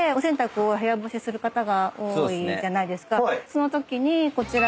そのときにこちら。